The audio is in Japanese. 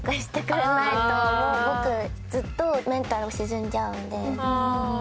僕ずっとメンタル沈んじゃうんで。